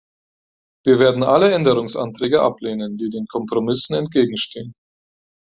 Wir werden alle Änderungsanträge ablehnen, die den Kompromissen entgegenstehen.